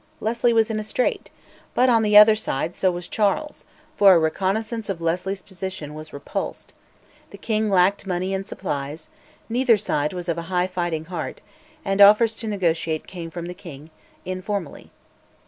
Leslie was in a strait; but, on the other side, so was Charles, for a reconnaissance of Leslie's position was repulsed; the king lacked money and supplies; neither side was of a high fighting heart; and offers to negotiate came from the king, informally.